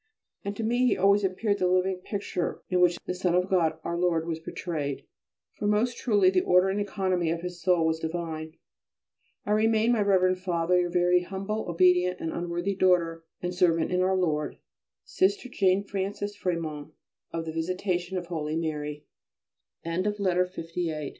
And to me he always appeared the living picture in which the Son of God, Our Lord, was portrayed, for most truly the order and economy of his soul was divine. I remain, my Reverend Father, Your very humble, obedient, and unworthy daughter and servant in Our Lord, SISTER JANE FRANCES FRÉMYOT (_Of the